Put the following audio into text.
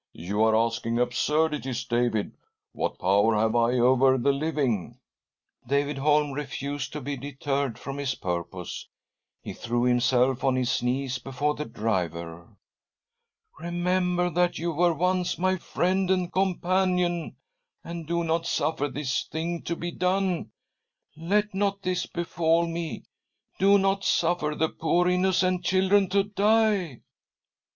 "You are asking absurdities, David. What power have I over the living ?" David Holm refused to be deterred from his purpose. He threw himself on his knees before the driver. " Remember that you were once my friend and companion, and do not suffer this thing to be done 1 Let not this befall me — do not suffer the poor innocent children to die."